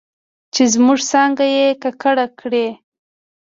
چې زموږ څانګه یې ککړه کړې